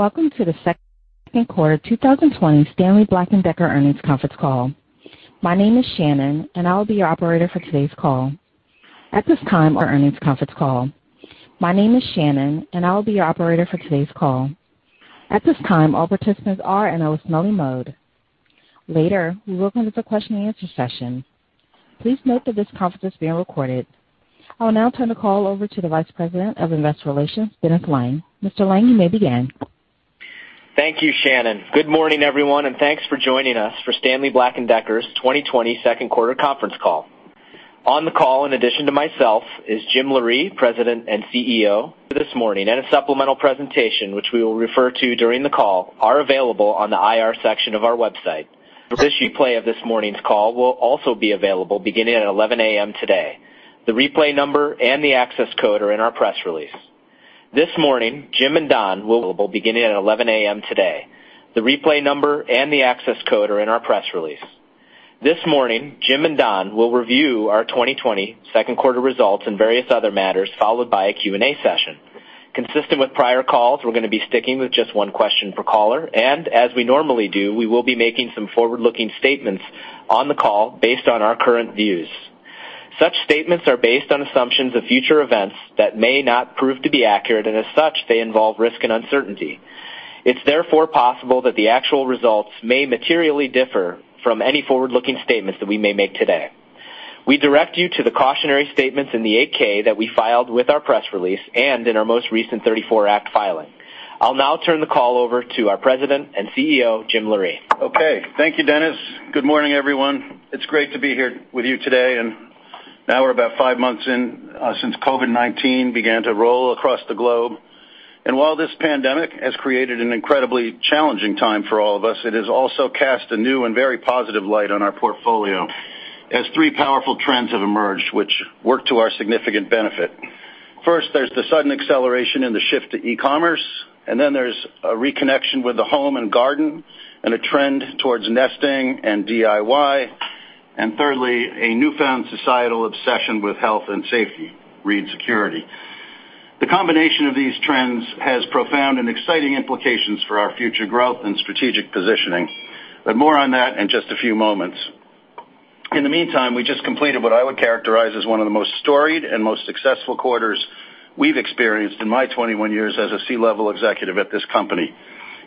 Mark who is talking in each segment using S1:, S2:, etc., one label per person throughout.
S1: Welcome to the second quarter 2020 Stanley Black & Decker earnings conference call. My name is Shannon, and I will be your operator for today's call. At this time, all participants are in a listen-only mode. Later, we will come to the question and answer session. Please note that this conference is being recorded. I will now turn the call over to the Vice President of Investor Relations, Dennis Lange. Mr. Lange, you may begin.
S2: Thank you, Shannon. Good morning, everyone, and thanks for joining us for Stanley Black & Decker's 2020 second quarter conference call. On the call, in addition to myself, is Jim Loree, President and CEO this morning, and a supplemental presentation, which we will refer to during the call, are available on the IR section of our website. A replay of this morning's call will also be available beginning at 11:00 A.M. today. The replay number and the access code are in our press release. This morning, Jim and Don will review our 2020 second quarter results and various other matters, followed by a Q&A session. Consistent with prior calls, we're going to be sticking with just one question per caller, and as we normally do, we will be making some forward-looking statements on the call based on our current views. Such statements are based on assumptions of future events that may not prove to be accurate, and as such, they involve risk and uncertainty. It's therefore possible that the actual results may materially differ from any forward-looking statements that we may make today. We direct you to the cautionary statements in the 8-K that we filed with our press release and in our most recent 34 Act filing. I'll now turn the call over to our President and CEO, Jim Loree.
S3: Okay. Thank you, Dennis. Good morning, everyone. It's great to be here with you today. Now we're about five months in since COVID-19 began to roll across the globe. While this pandemic has created an incredibly challenging time for all of us, it has also cast a new and very positive light on our portfolio as three powerful trends have emerged, which work to our significant benefit. First, there's the sudden acceleration in the shift to e-commerce, and then there's a reconnection with the home and garden and a trend towards nesting and DIY, and thirdly, a newfound societal obsession with health and safety, read security. The combination of these trends has profound and exciting implications for our future growth and strategic positioning. More on that in just a few moments. In the meantime, we just completed what I would characterize as one of the most storied and most successful quarters we've experienced in my 21 years as a C-level executive at this company.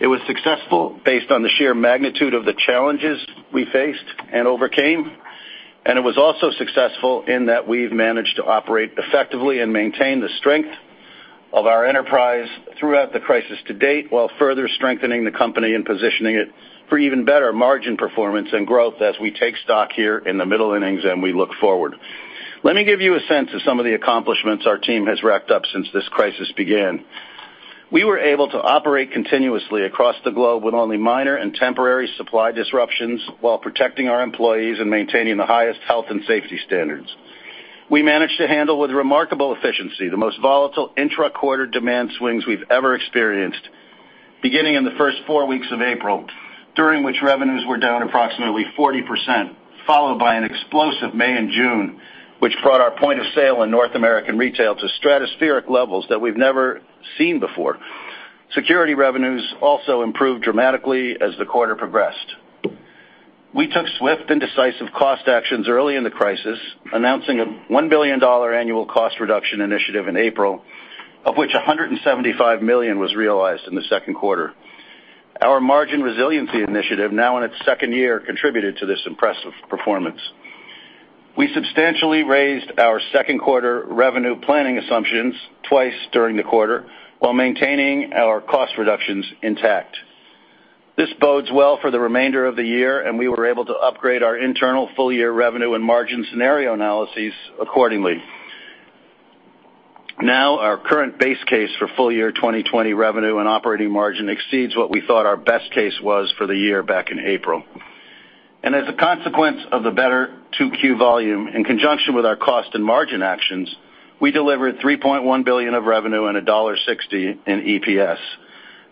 S3: It was successful based on the sheer magnitude of the challenges we faced and overcame, and it was also successful in that we've managed to operate effectively and maintain the strength of our enterprise throughout the crisis to date, while further strengthening the company and positioning it for even better margin performance and growth as we take stock here in the middle innings and we look forward. Let me give you a sense of some of the accomplishments our team has racked up since this crisis began. We were able to operate continuously across the globe with only minor and temporary supply disruptions while protecting our employees and maintaining the highest health and safety standards. We managed to handle with remarkable efficiency the most volatile intra-quarter demand swings we've ever experienced, beginning in the first four weeks of April, during which revenues were down approximately 40%, followed by an explosive May and June, which brought our point of sale in North American retail to stratospheric levels that we've never seen before. Security revenues also improved dramatically as the quarter progressed. We took swift and decisive cost actions early in the crisis, announcing a $1 billion annual cost reduction initiative in April, of which $175 million was realized in the second quarter. Our margin resiliency initiative, now in its second year, contributed to this impressive performance. We substantially raised our second quarter revenue planning assumptions twice during the quarter while maintaining our cost reductions intact. This bodes well for the remainder of the year, and we were able to upgrade our internal full-year revenue and margin scenario analyses accordingly. Now our current base case for full-year 2020 revenue and operating margin exceeds what we thought our best case was for the year back in April. As a consequence of the better 2Q volume in conjunction with our cost and margin actions, we delivered $3.1 billion of revenue and $1.60 in EPS.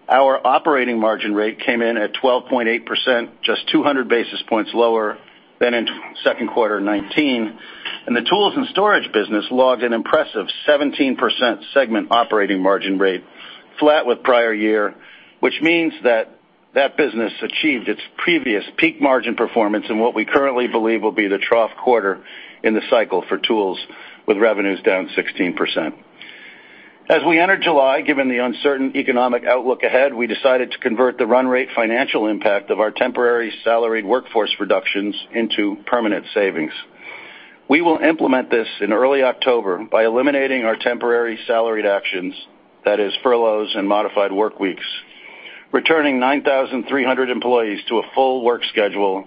S3: Our operating margin rate came in at 12.8%, just 200 basis points lower than in second quarter 2019, and the tools and storage business logged an impressive 17% segment operating margin rate, flat with prior year, which means that that business achieved its previous peak margin performance in what we currently believe will be the trough quarter in the cycle for tools with revenues down 16%. As we entered July, given the uncertain economic outlook ahead, we decided to convert the run rate financial impact of our temporary salaried workforce reductions into permanent savings. We will implement this in early October by eliminating our temporary salaried actions, that is furloughs and modified work weeks, returning 9,300 employees to a full work schedule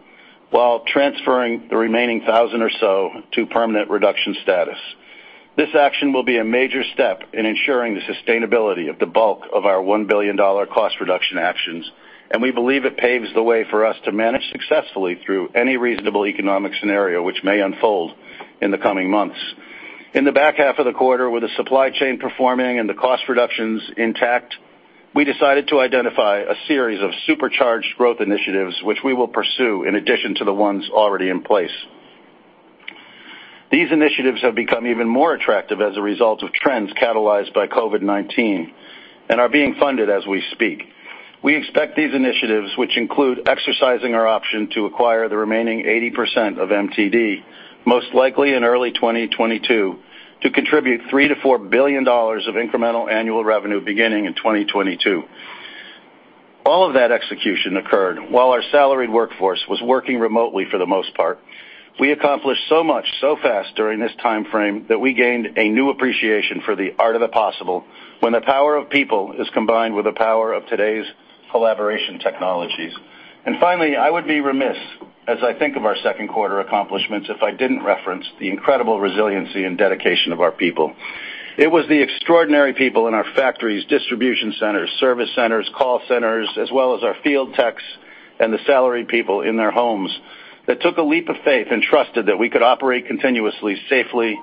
S3: while transferring the remaining 1,000 or so to permanent reduction status. This action will be a major step in ensuring the sustainability of the bulk of our $1 billion cost reduction actions, and we believe it paves the way for us to manage successfully through any reasonable economic scenario which may unfold in the coming months. In the back half of the quarter, with the supply chain performing and the cost reductions intact, we decided to identify a series of supercharged growth initiatives which we will pursue in addition to the ones already in place. These initiatives have become even more attractive as a result of trends catalyzed by COVID-19 and are being funded as we speak. We expect these initiatives, which include exercising our option to acquire the remaining 80% of MTD, most likely in early 2022, to contribute $3 billion-$4 billion of incremental annual revenue beginning in 2022. All of that execution occurred while our salaried workforce was working remotely for the most part. We accomplished so much, so fast during this timeframe that we gained a new appreciation for the art of the possible when the power of people is combined with the power of today's collaboration technologies. Finally, I would be remiss as I think of our second quarter accomplishments if I didn't reference the incredible resiliency and dedication of our people. It was the extraordinary people in our factories, distribution centers, service centers, call centers, as well as our field techs and the salaried people in their homes that took a leap of faith and trusted that we could operate continuously, safely,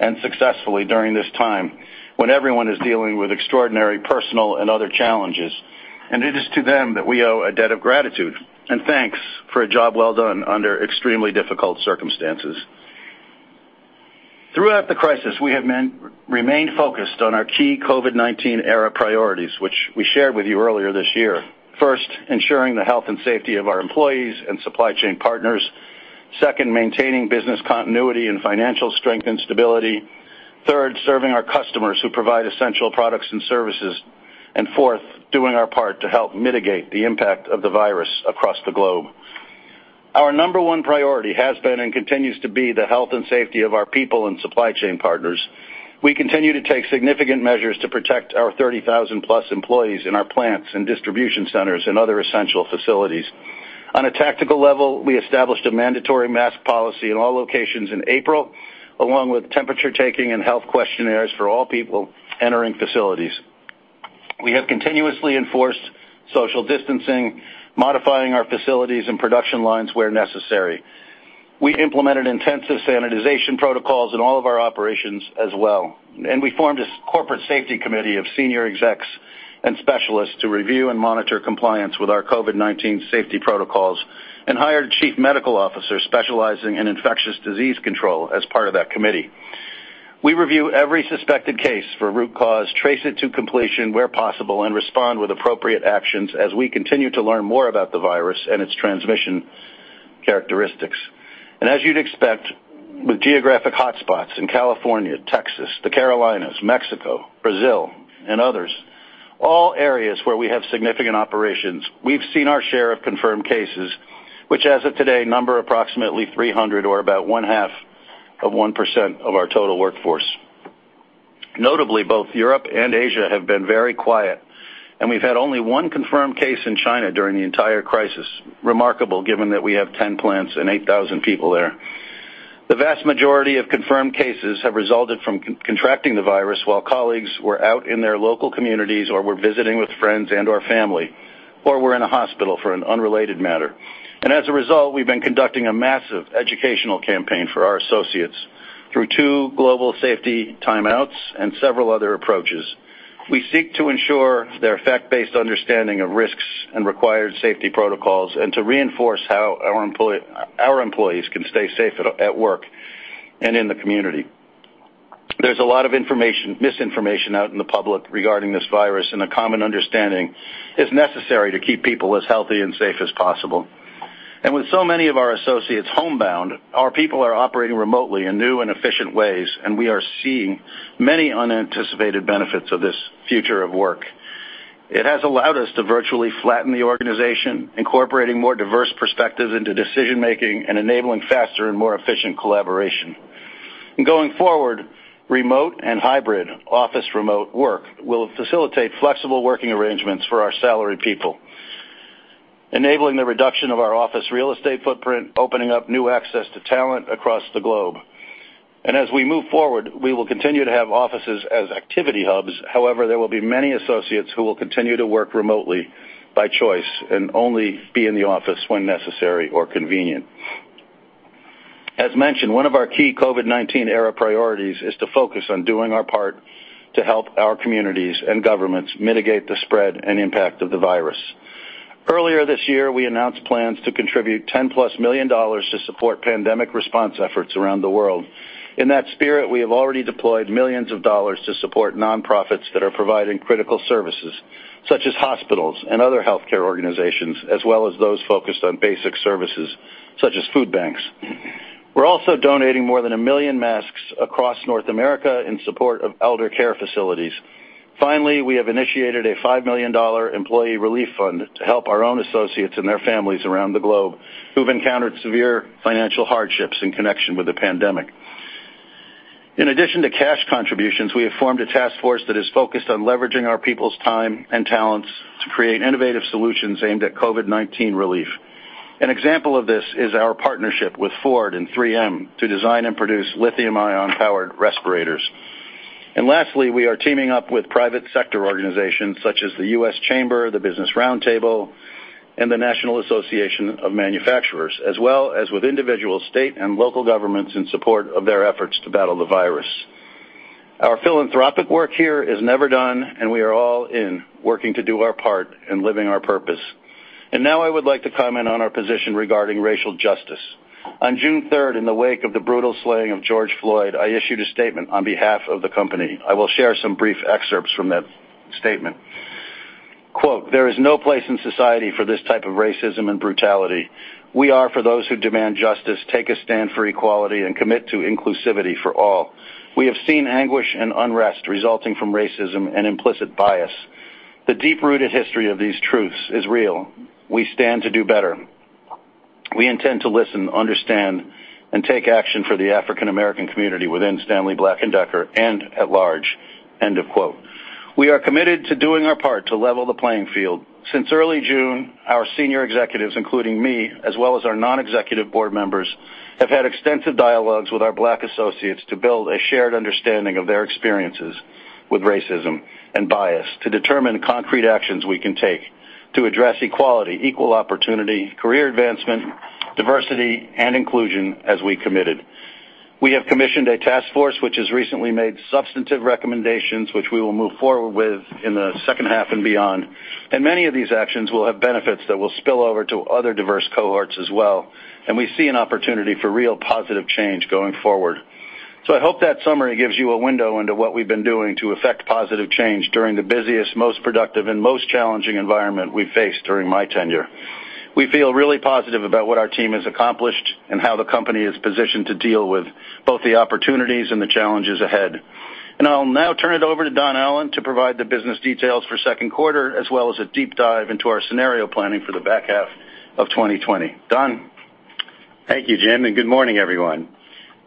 S3: and successfully during this time when everyone is dealing with extraordinary personal and other challenges. It is to them that we owe a debt of gratitude and thanks for a job well done under extremely difficult circumstances. Throughout the crisis, we have remained focused on our key COVID-19 era priorities, which we shared with you earlier this year. First, ensuring the health and safety of our employees and supply chain partners. Second, maintaining business continuity and financial strength and stability. Serving our customers who provide essential products and services. Fourth, doing our part to help mitigate the impact of the virus across the globe. Our number one priority has been and continues to be the health and safety of our people and supply chain partners. We continue to take significant measures to protect our 30,000+ employees in our plants and distribution centers and other essential facilities. On a tactical level, we established a mandatory mask policy in all locations in April, along with temperature taking and health questionnaires for all people entering facilities. We have continuously enforced social distancing, modifying our facilities and production lines where necessary. We implemented intensive sanitization protocols in all of our operations as well. We formed a corporate safety committee of senior execs and specialists to review and monitor compliance with our COVID-19 safety protocols and hired a chief medical officer specializing in infectious disease control as part of that committee. We review every suspected case for root cause, trace it to completion where possible, and respond with appropriate actions as we continue to learn more about the virus and its transmission characteristics. As you'd expect, with geographic hotspots in California, Texas, the Carolinas, Mexico, Brazil, and others, all areas where we have significant operations, we've seen our share of confirmed cases, which as of today, number approximately 300 or about one half of 1% of our total workforce. Notably, both Europe and Asia have been very quiet, and we've had only one confirmed case in China during the entire crisis. Remarkable given that we have 10 plants and 8,000 people there. The vast majority of confirmed cases have resulted from contracting the virus while colleagues were out in their local communities or were visiting with friends and/or family, or were in a hospital for an unrelated matter. As a result, we've been conducting a massive educational campaign for our associates through two global safety timeouts and several other approaches. We seek to ensure their fact-based understanding of risks and required safety protocols and to reinforce how our employees can stay safe at work and in the community. There's a lot of misinformation out in the public regarding this virus, and a common understanding is necessary to keep people as healthy and safe as possible. With so many of our associates homebound, our people are operating remotely in new and efficient ways, and we are seeing many unanticipated benefits of this future of work. It has allowed us to virtually flatten the organization, incorporating more diverse perspectives into decision-making and enabling faster and more efficient collaboration. Going forward, remote and hybrid office remote work will facilitate flexible working arrangements for our salaried people, enabling the reduction of our office real estate footprint, opening up new access to talent across the globe. As we move forward, we will continue to have offices as activity hubs. However, there will be many associates who will continue to work remotely by choice and only be in the office when necessary or convenient. As mentioned, one of our key COVID-19 era priorities is to focus on doing our part to help our communities and governments mitigate the spread and impact of the virus. Earlier this year, we announced plans to contribute $10+ million to support pandemic response efforts around the world. In that spirit, we have already deployed millions of dollars to support nonprofits that are providing critical services, such as hospitals and other healthcare organizations, as well as those focused on basic services, such as food banks. We're also donating more than 1 million masks across North America in support of elder care facilities. Finally, we have initiated a $5 million employee relief fund to help our own associates and their families around the globe who've encountered severe financial hardships in connection with the pandemic. In addition to cash contributions, we have formed a task force that is focused on leveraging our people's time and talents to create innovative solutions aimed at COVID-19 relief. An example of this is our partnership with Ford and 3M to design and produce lithium-ion powered respirators. Lastly, we are teaming up with private sector organizations such as the U.S. Chamber, the Business Roundtable, and the National Association of Manufacturers, as well as with individual state and local governments in support of their efforts to battle the virus. Our philanthropic work here is never done, and we are all in, working to do our part and living our purpose. Now I would like to comment on our position regarding racial justice. On June 3rd, in the wake of the brutal slaying of George Floyd, I issued a statement on behalf of the company. I will share some brief excerpts from that statement. Quote, "There is no place in society for this type of racism and brutality. We are for those who demand justice, take a stand for equality, and commit to inclusivity for all. We have seen anguish and unrest resulting from racism and implicit bias. The deep-rooted history of these truths is real. We stand to do better. We intend to listen, understand, and take action for the African American community within Stanley Black & Decker and at large." End of quote. We are committed to doing our part to level the playing field. Since early June, our senior executives, including me, as well as our non-executive board members, have had extensive dialogues with our Black associates to build a shared understanding of their experiences with racism and bias to determine concrete actions we can take to address equality, equal opportunity, career advancement, diversity, and inclusion as we committed. We have commissioned a task force which has recently made substantive recommendations, which we will move forward with in the second half and beyond. Many of these actions will have benefits that will spill over to other diverse cohorts as well, and we see an opportunity for real positive change going forward. I hope that summary gives you a window into what we've been doing to effect positive change during the busiest, most productive, and most challenging environment we've faced during my tenure. We feel really positive about what our team has accomplished and how the company is positioned to deal with both the opportunities and the challenges ahead. I'll now turn it over to Don Allan to provide the business details for second quarter, as well as a deep dive into our scenario planning for the back half of 2020. Don?
S4: Thank you, Jim, and good morning, everyone.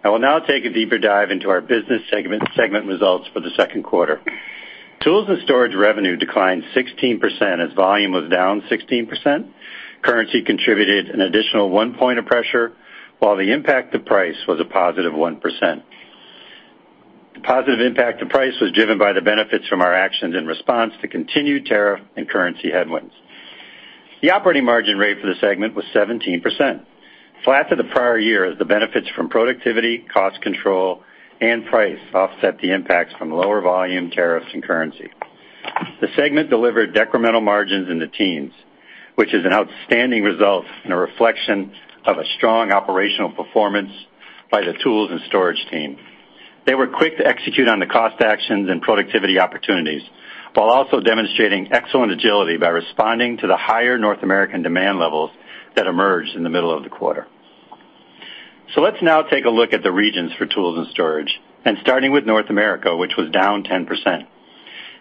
S4: I will now take a deeper dive into our business segment results for the second quarter. Tools and Storage revenue declined 16% as volume was down 16%. Currency contributed an additional one point of pressure, while the impact to price was a +1%. The positive impact to price was driven by the benefits from our actions in response to continued tariff and currency headwinds. The operating margin rate for the segment was 17%, flat to the prior year as the benefits from productivity, cost control, and price offset the impacts from lower volume tariffs and currency. The segment delivered decremental margins in the teens, which is an outstanding result and a reflection of a strong operational performance by the Tools and Storage team. They were quick to execute on the cost actions and productivity opportunities, while also demonstrating excellent agility by responding to the higher North American demand levels that emerged in the middle of the quarter. Let's now take a look at the regions for tools and storage, and starting with North America, which was down 10%.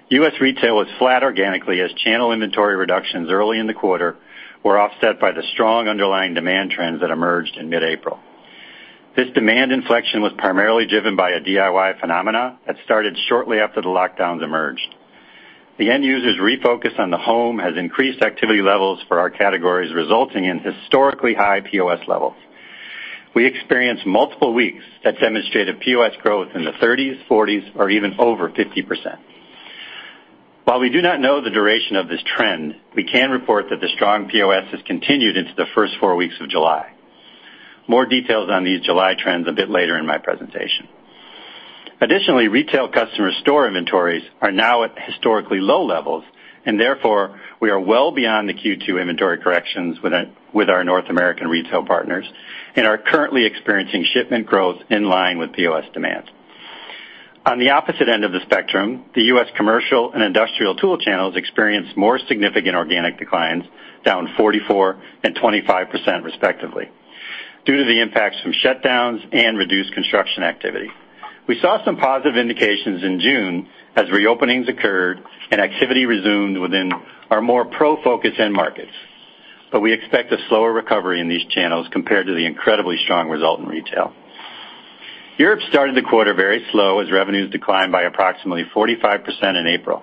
S4: U.S. retail was flat organically as channel inventory reductions early in the quarter were offset by the strong underlying demand trends that emerged in mid-April. This demand inflection was primarily driven by a DIY phenomena that started shortly after the lockdowns emerged. The end user's refocus on the home has increased activity levels for our categories, resulting in historically high POS levels. We experienced multiple weeks that demonstrated POS growth in the 30s, 40s, or even over 50%. While we do not know the duration of this trend, we can report that the strong POS has continued into the first four weeks of July. More details on these July trends a bit later in my presentation. Additionally, retail customer store inventories are now at historically low levels, and therefore, we are well beyond the Q2 inventory corrections with our North American retail partners and are currently experiencing shipment growth in line with POS demands. On the opposite end of the spectrum, the U.S. commercial and industrial tool channels experienced more significant organic declines, down 44% and 25% respectively, due to the impacts from shutdowns and reduced construction activity. We saw some positive indications in June as reopenings occurred and activity resumed within our more pro focus end markets. We expect a slower recovery in these channels compared to the incredibly strong result in retail. Europe started the quarter very slow as revenues declined by approximately 45% in April,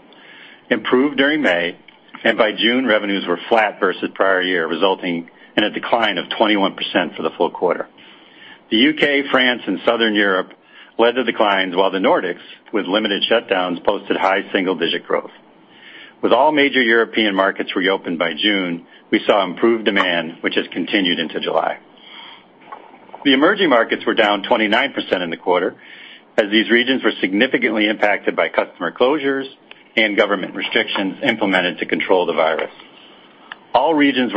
S4: improved during May, and by June, revenues were flat versus prior year, resulting in a decline of 21% for the full quarter. The U.K., France, and Southern Europe led the declines, while the Nordics, with limited shutdowns, posted high single-digit growth. With all major European markets reopened by June, we saw improved demand, which has continued into July. The emerging markets were down 29% in the quarter, as these regions were significantly impacted by customer closures and government restrictions implemented to control the virus. All regions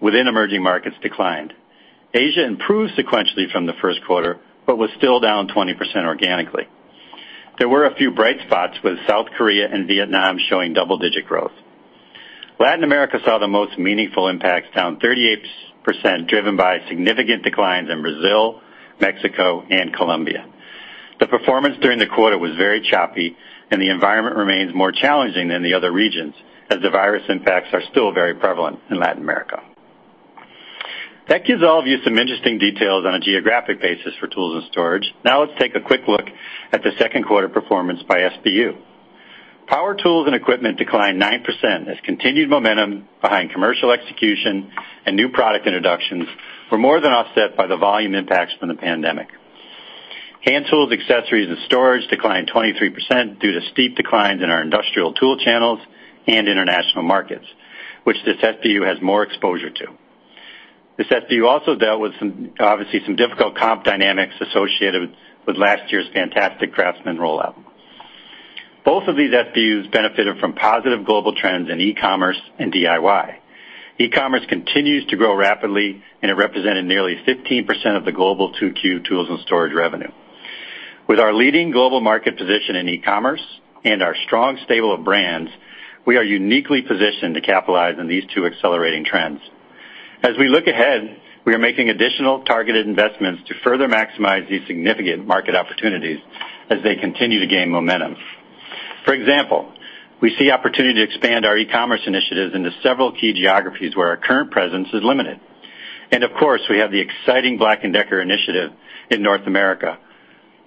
S4: within emerging markets declined. Asia improved sequentially from the first quarter but was still down 20% organically. There were a few bright spots, with South Korea and Vietnam showing double-digit growth. Latin America saw the most meaningful impacts, down 38%, driven by significant declines in Brazil, Mexico, and Colombia. The performance during the quarter was very choppy, and the environment remains more challenging than the other regions, as the virus impacts are still very prevalent in Latin America. That gives all of you some interesting details on a geographic basis for tools and storage. Now let's take a quick look at the second quarter performance by SBU. Power tools and equipment declined 9% as continued momentum behind commercial execution and new product introductions were more than offset by the volume impacts from the pandemic. Hand tools, accessories, and storage declined 23% due to steep declines in our industrial tool channels and international markets, which this SBU has more exposure to. This SBU also dealt with obviously some difficult comp dynamics associated with last year's fantastic CRAFTSMAN rollout. Both of these SBUs benefited from positive global trends in e-commerce and DIY. E-commerce continues to grow rapidly, and it represented nearly 15% of the global 2Q tools and storage revenue. With our leading global market position in e-commerce and our strong stable of brands, we are uniquely positioned to capitalize on these two accelerating trends. As we look ahead, we are making additional targeted investments to further maximize these significant market opportunities as they continue to gain momentum. For example, we see opportunity to expand our e-commerce initiatives into several key geographies where our current presence is limited. Of course, we have the exciting BLACK+DECKER initiative in North America,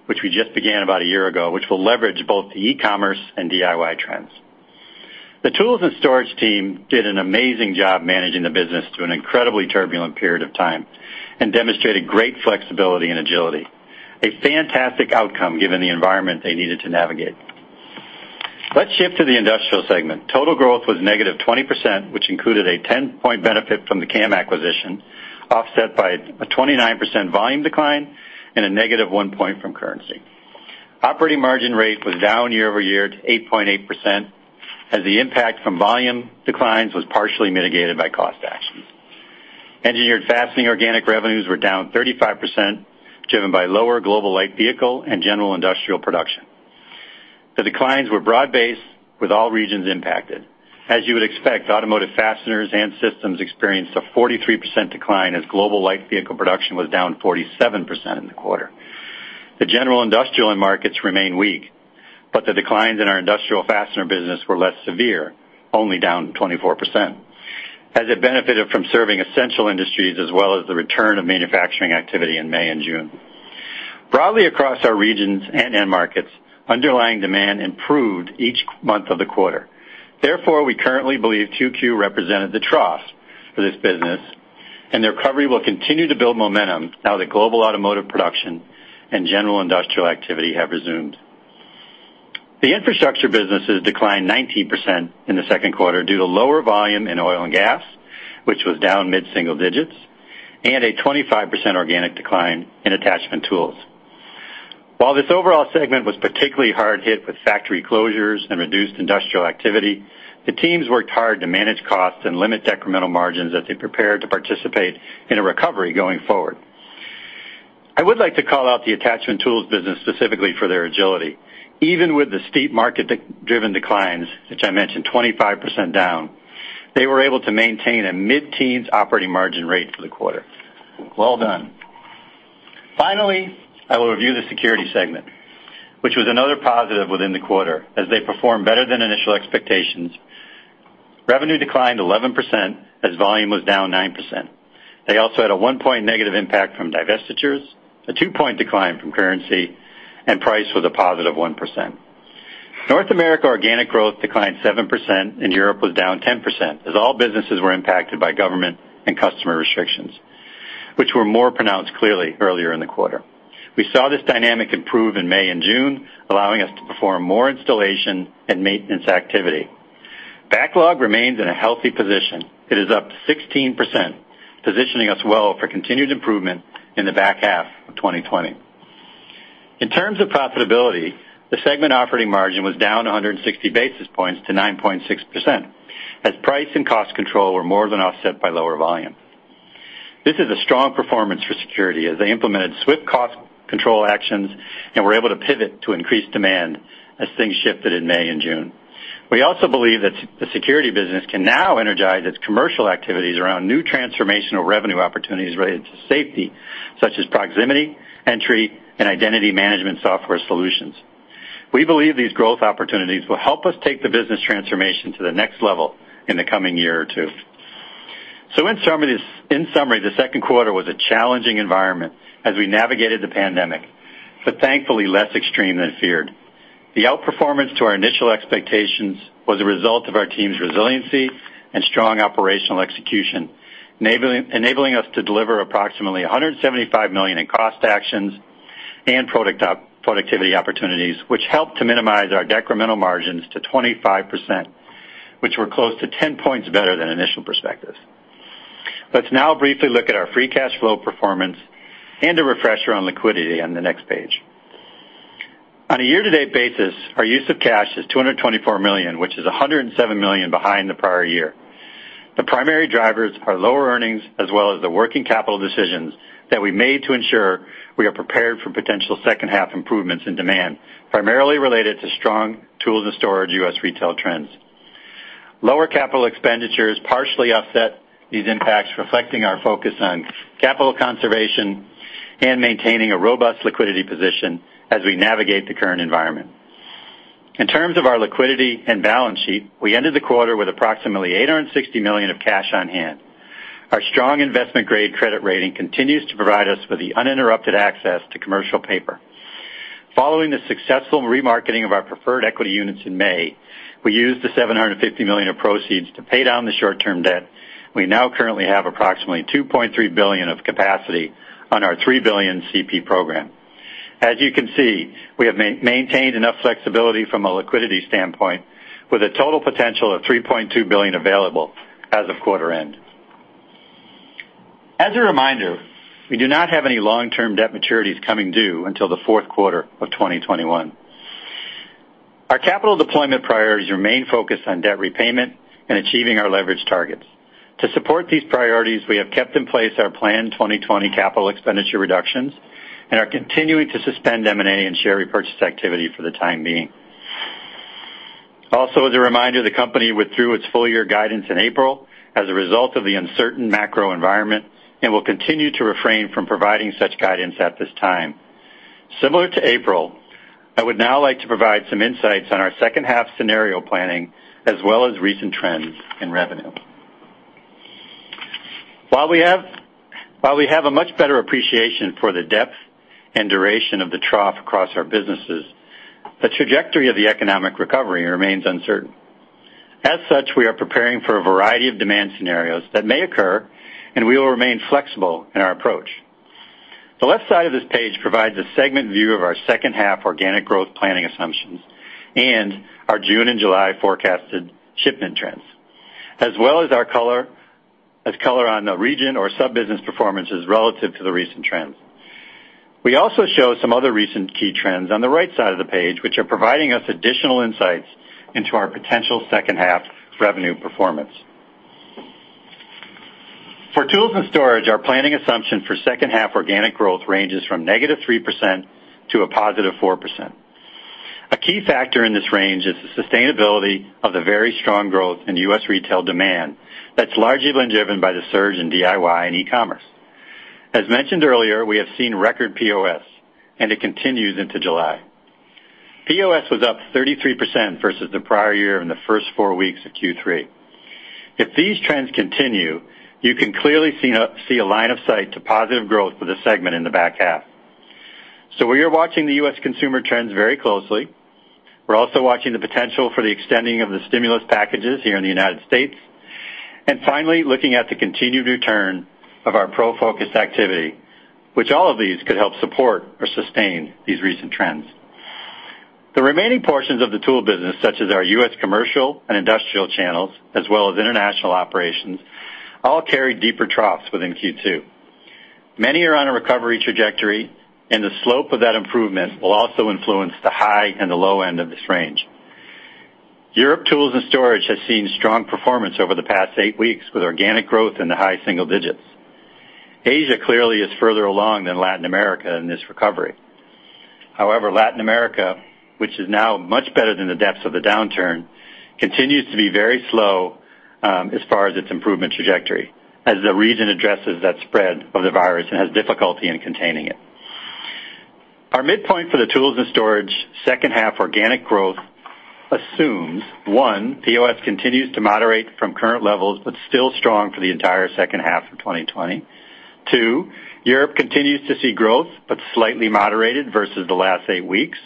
S4: which we just began about a year ago, which will leverage both the e-commerce and DIY trends. The tools and storage team did an amazing job managing the business through an incredibly turbulent period of time and demonstrated great flexibility and agility, a fantastic outcome given the environment they needed to navigate. Let's shift to the industrial segment. Total growth was -20%, which included a 10-point benefit from the CAM acquisition, offset by a 29% volume decline and a -1 point from currency. Operating margin rate was down year-over-year to 8.8% as the impact from volume declines was partially mitigated by cost actions. Engineered fastening organic revenues were down 35%, driven by lower global light vehicle and general industrial production. The declines were broad-based, with all regions impacted. As you would expect, automotive fasteners and systems experienced a 43% decline as global light vehicle production was down 47% in the quarter. The general industrial end markets remain weak, but the declines in our industrial fastener business were less severe, only down 24%, as it benefited from serving essential industries as well as the return of manufacturing activity in May and June. Broadly across our regions and end markets, underlying demand improved each month of the quarter. Therefore, we currently believe 2Q represented the trough for this business, and the recovery will continue to build momentum now that global automotive production and general industrial activity have resumed. The infrastructure businesses declined 19% in the second quarter due to lower volume in oil and gas, which was down mid-single digits, and a 25% organic decline in attachment tools. While this overall segment was particularly hard hit with factory closures and reduced industrial activity, the teams worked hard to manage costs and limit decremental margins as they prepare to participate in a recovery going forward.I would like to call out the attachment tools business specifically for their agility. Even with the steep market-driven declines, which I mentioned, 25% down, they were able to maintain a mid-teens operating margin rate for the quarter. Well done. I will review the Security segment, which was another positive within the quarter as they performed better than initial expectations. Revenue declined 11% as volume was down 9%. They also had a 1-point negative impact from divestitures, a 2-point decline from currency, and price was a positive 1%. North America organic growth declined 7%, and Europe was down 10%, as all businesses were impacted by government and customer restrictions, which were more pronounced clearly earlier in the quarter. We saw this dynamic improve in May and June, allowing us to perform more installation and maintenance activity. Backlog remains in a healthy position. It is up 16%, positioning us well for continued improvement in the back half of 2020. In terms of profitability, the segment operating margin was down 160 basis points to 9.6%, as price and cost control were more than offset by lower volume. This is a strong performance for security as they implemented swift cost control actions and were able to pivot to increased demand as things shifted in May and June. We also believe that the security business can now energize its commercial activities around new transformational revenue opportunities related to safety, such as proximity, entry, and identity management software solutions. We believe these growth opportunities will help us take the business transformation to the next level in the coming year or two. In summary, the second quarter was a challenging environment as we navigated the pandemic, but thankfully less extreme than feared. The outperformance to our initial expectations was a result of our team's resiliency and strong operational execution, enabling us to deliver approximately $175 million in cost actions and productivity opportunities, which helped to minimize our decremental margins to 25%, which were close to 10 points better than initial perspectives. Let's now briefly look at our free cash flow performance and a refresher on liquidity on the next page. On a year-to-date basis, our use of cash is $224 million, which is $107 million behind the prior year. The primary drivers are lower earnings as well as the working capital decisions that we made to ensure we are prepared for potential second half improvements in demand, primarily related to strong tools and storage U.S. retail trends. Lower capital expenditures partially offset these impacts, reflecting our focus on capital conservation and maintaining a robust liquidity position as we navigate the current environment. In terms of our liquidity and balance sheet, we ended the quarter with approximately $860 million of cash on hand. Our strong investment-grade credit rating continues to provide us with the uninterrupted access to commercial paper. Following the successful remarketing of our preferred equity units in May, we used the $750 million of proceeds to pay down the short-term debt. We now currently have approximately $2.3 billion of capacity on our $3 billion CP program. As you can see, we have maintained enough flexibility from a liquidity standpoint with a total potential of $3.2 billion available as of quarter end. As a reminder, we do not have any long-term debt maturities coming due until the fourth quarter of 2021. Our capital deployment priorities remain focused on debt repayment and achieving our leverage targets. To support these priorities, we have kept in place our planned 2020 capital expenditure reductions and are continuing to suspend M&A and share repurchase activity for the time being. Also, as a reminder, the company withdrew its full-year guidance in April as a result of the uncertain macro environment and will continue to refrain from providing such guidance at this time. Similar to April, I would now like to provide some insights on our second half scenario planning, as well as recent trends in revenue. While we have a much better appreciation for the depth and duration of the trough across our businesses, the trajectory of the economic recovery remains uncertain. As such, we are preparing for a variety of demand scenarios that may occur, and we will remain flexible in our approach. The left side of this page provides a segment view of our second half organic growth planning assumptions and our June and July forecasted shipment trends, as well as color on the region or sub-business performances relative to the recent trends. We also show some other recent key trends on the right side of the page, which are providing us additional insights into our potential second half revenue performance. For tools and storage, our planning assumption for second half organic growth ranges from -3% to a +4%. A key factor in this range is the sustainability of the very strong growth in U.S. retail demand that's largely been driven by the surge in DIY and e-commerce. As mentioned earlier, we have seen record POS, and it continues into July. POS was up 33% versus the prior year in the first four weeks of Q3. If these trends continue, you can clearly see a line of sight to positive growth for the segment in the back half. We are watching the U.S. consumer trends very closely. We're also watching the potential for the extending of the stimulus packages here in the United States. Finally, looking at the continued return of our pro-focused activity, which all of these could help support or sustain these recent trends. The remaining portions of the tool business, such as our U.S. commercial and industrial channels, as well as international operations, all carry deeper troughs within Q2. Many are on a recovery trajectory, and the slope of that improvement will also influence the high and the low end of this range. Europe tools and storage has seen strong performance over the past eight weeks, with organic growth in the high single digits. Asia clearly is further along than Latin America in this recovery. However, Latin America, which is now much better than the depths of the downturn, continues to be very slow as far as its improvement trajectory, as the region addresses that spread of the virus and has difficulty in containing it. Our midpoint for the Tools and Storage second half organic growth assumes, one, POS continues to moderate from current levels, but still strong for the entire second half of 2020. Two, Europe continues to see growth, but slightly moderated versus the last eight weeks.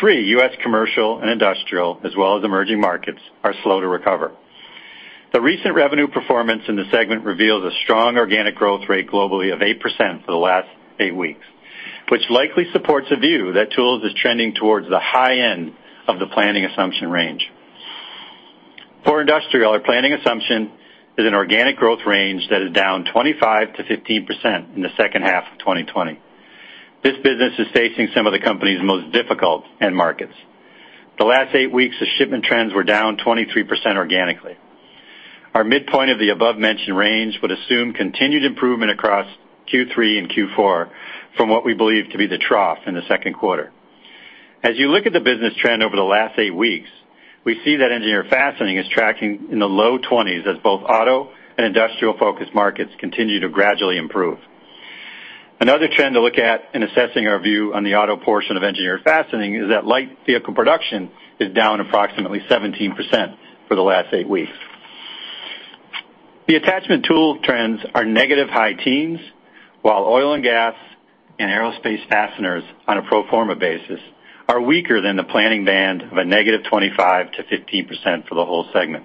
S4: Three, U.S. commercial and Industrial, as well as emerging markets, are slow to recover. The recent revenue performance in the segment reveals a strong organic growth rate globally of 8% for the last eight weeks, which likely supports a view that Tools is trending towards the high end of the planning assumption range. For Industrial, our planning assumption is an organic growth range that is down 25%-15% in the second half of 2020. This business is facing some of the company's most difficult end markets. The last eight weeks, the shipment trends were down 23% organically. Our midpoint of the above-mentioned range would assume continued improvement across Q3 and Q4 from what we believe to be the trough in the second quarter. As you look at the business trend over the last eight weeks, we see that engineered fastening is tracking in the low 20s as both auto and industrial-focused markets continue to gradually improve. Another trend to look at in assessing our view on the auto portion of engineered fastening is that light vehicle production is down approximately 17% for the last eight weeks. The attachment tool trends are negative high teens, while oil and gas and aerospace fasteners on a pro forma basis are weaker than the planning band of a negative 25%-15% for the whole segment.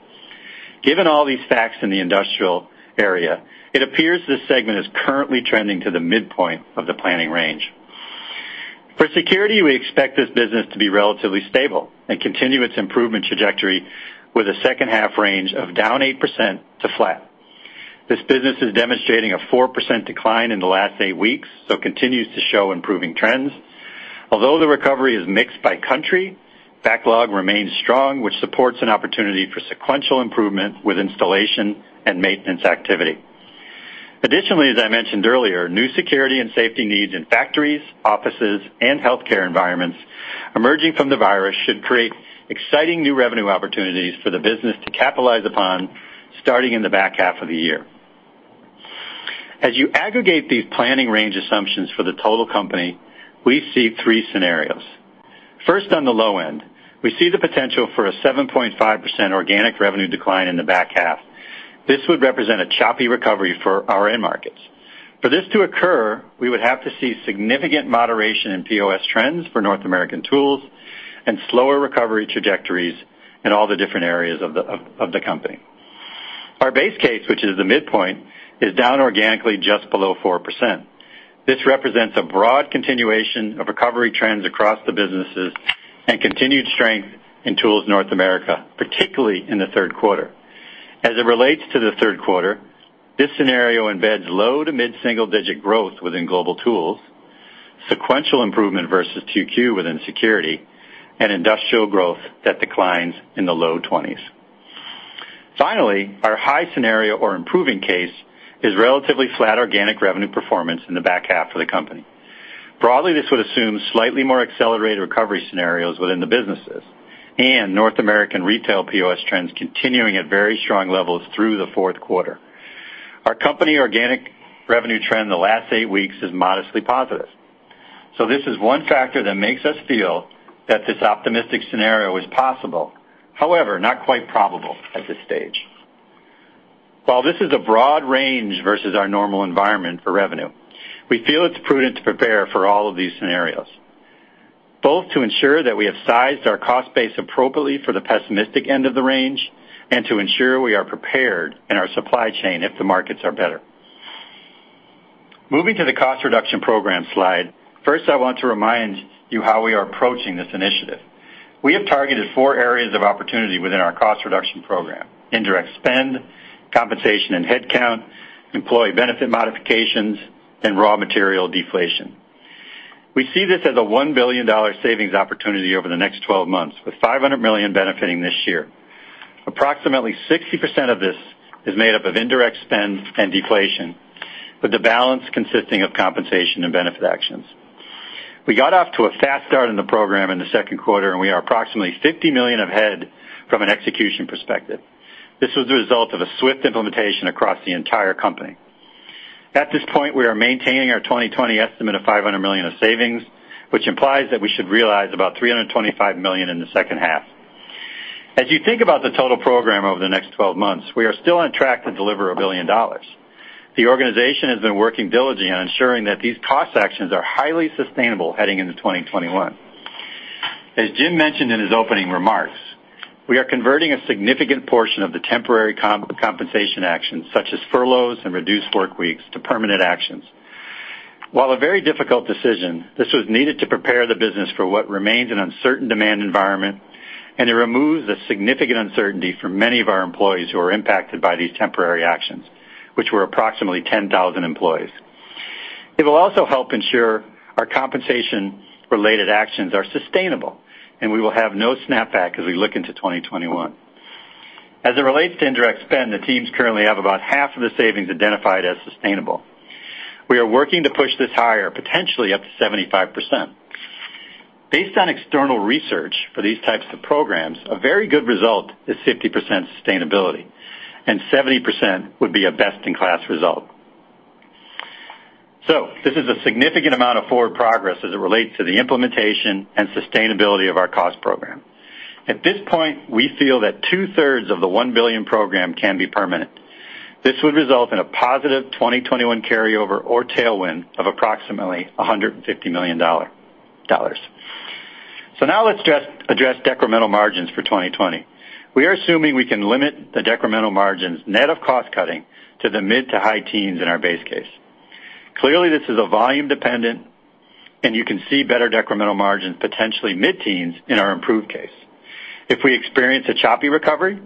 S4: Given all these facts in the industrial area, it appears this segment is currently trending to the midpoint of the planning range. For security, we expect this business to be relatively stable and continue its improvement trajectory with a second half range of down 8% to flat. This business is demonstrating a 4% decline in the last eight weeks, so continues to show improving trends. Although the recovery is mixed by country, backlog remains strong, which supports an opportunity for sequential improvement with installation and maintenance activity. Additionally, as I mentioned earlier, new security and safety needs in factories, offices, and healthcare environments emerging from the virus should create exciting new revenue opportunities for the business to capitalize upon, starting in the back half of the year. As you aggregate these planning range assumptions for the total company, we see three scenarios. First, on the low end, we see the potential for a 7.5% organic revenue decline in the back half. This would represent a choppy recovery for our end markets. For this to occur, we would have to see significant moderation in POS trends for North American tools and slower recovery trajectories in all the different areas of the company. Our base case, which is the midpoint, is down organically just below 4%. This represents a broad continuation of recovery trends across the businesses and continued strength in Tools North America, particularly in the third quarter. As it relates to the third quarter, this scenario embeds low to mid-single-digit growth within global tools, sequential improvement versus 2Q within security, and industrial growth that declines in the low 20s. Our high scenario or improving case is relatively flat organic revenue performance in the back half of the company. Broadly, this would assume slightly more accelerated recovery scenarios within the businesses and North American retail POS trends continuing at very strong levels through the fourth quarter. Our company organic revenue trend the last eight weeks is modestly positive. This is one factor that makes us feel that this optimistic scenario is possible, however, not quite probable at this stage. While this is a broad range versus our normal environment for revenue, we feel it's prudent to prepare for all of these scenarios, both to ensure that we have sized our cost base appropriately for the pessimistic end of the range and to ensure we are prepared in our supply chain if the markets are better. Moving to the cost reduction program slide. First, I want to remind you how we are approaching this initiative. We have targeted four areas of opportunity within our cost reduction program: indirect spend, compensation and headcount, employee benefit modifications, and raw material deflation. We see this as a $1 billion savings opportunity over the next 12 months, with $500 million benefiting this year. Approximately 60% of this is made up of indirect spend and deflation, with the balance consisting of compensation and benefit actions. We got off to a fast start in the program in the second quarter. We are approximately $50 million ahead from an execution perspective. This was the result of a swift implementation across the entire company. At this point, we are maintaining our 2020 estimate of $500 million of savings, which implies that we should realize about $325 million in the second half. As you think about the total program over the next 12 months, we are still on track to deliver $1 billion. The organization has been working diligently on ensuring that these cost actions are highly sustainable heading into 2021. As Jim mentioned in his opening remarks, we are converting a significant portion of the temporary compensation actions, such as furloughs and reduced workweeks, to permanent actions. While a very difficult decision, this was needed to prepare the business for what remains an uncertain demand environment, and it removes a significant uncertainty for many of our employees who are impacted by these temporary actions, which were approximately 10,000 employees. It will also help ensure our compensation-related actions are sustainable, and we will have no snapback as we look into 2021. As it relates to indirect spend, the teams currently have about half of the savings identified as sustainable. We are working to push this higher, potentially up to 75%. Based on external research for these types of programs, a very good result is 50% sustainability, and 70% would be a best-in-class result. This is a significant amount of forward progress as it relates to the implementation and sustainability of our cost program. At this point, we feel that two-thirds of the $1 billion program can be permanent. This would result in a positive 2021 carryover or tailwind of approximately $150 million. Now let's address decremental margins for 2020. We are assuming we can limit the decremental margins net of cost-cutting to the mid to high teens in our base case. Clearly, this is volume dependent, and you can see better decremental margins, potentially mid-teens, in our improved case. If we experience a choppy recovery,